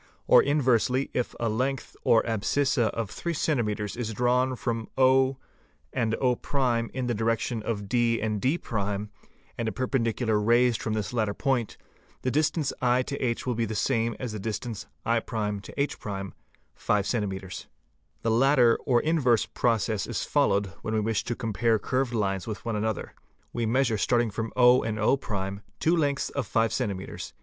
Or inversely, if a length (or abscissa) of 3 cms. is drawn | from o and o' in the direction of d and d', and a perpendicular raised from q this latter point, the distance 7 h will be the same as the distance 7h', — 5 ems. The latter or inverse process is followed when we wish to — compare curved lines with one another; we measure starting from o and — o', two lengths of 5 ems.